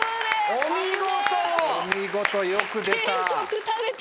お見事よく出た。